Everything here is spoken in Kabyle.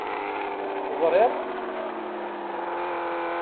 Teẓriḍ?